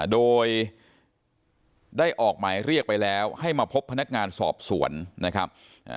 โดยได้ออกหมายเรียกไปแล้วให้มาพบพนักงานสอบสวนนะครับ